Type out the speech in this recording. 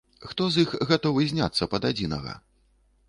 Хто з іх гатовы зняцца пад адзінага?